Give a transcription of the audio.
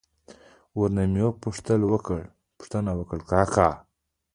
ور نه مې پوښتنه وکړه: کاکا!